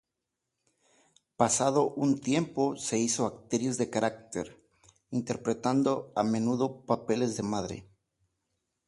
Pasado un tiempo se hizo actriz de carácter, interpretando a menudo papeles de madre.